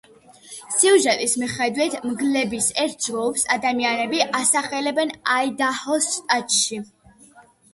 სიუჟეტის მიხედვით, მგლების ერთ ჯგუფს ადამიანები ასახლებენ აიდაჰოს შტატში.